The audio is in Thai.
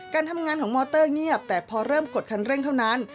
การทำงานของมอเตอร์เงียบแต่พอเริ่มกดคันเร่งเท่านั้น